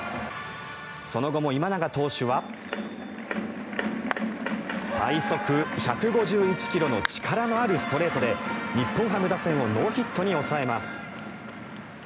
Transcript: その後も今永投手は最速１５１ｋｍの力のあるストレートで日本ハム打線をノーヒットに抑えます。